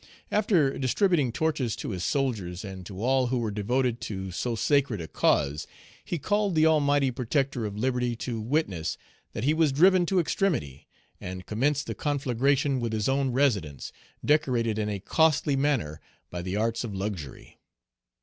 After distributing torches to his soldiers, and to all who were devoted to so sacred a cause, he called the Almighty Protector of liberty to witness that he was driven to extremity, and commenced the conflagration with his own residence, decorated in a costly manner by the arts of luxury.